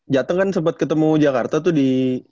jateng kan sempat ketemu jakarta tuh di